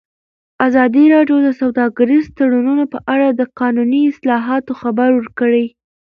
ازادي راډیو د سوداګریز تړونونه په اړه د قانوني اصلاحاتو خبر ورکړی.